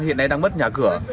hiện nay đang mất nhà cửa